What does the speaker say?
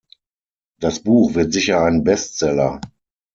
Das Buch wird sicher ein Bestseller.